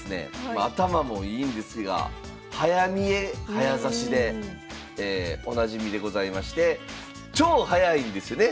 まあ頭もいいんですが「早見え」早指しでおなじみでございまして超早いんですよね？